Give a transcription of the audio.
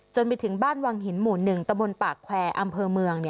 ไปถึงบ้านวังหินหมู่๑ตะบนปากแควร์อำเภอเมือง